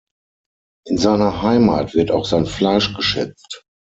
In seiner Heimat wird auch sein Fleisch geschätzt.